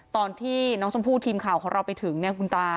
ตอนที่น้องชมพู่ทีมข่าวของเราไปถึงเนี่ยคุณตา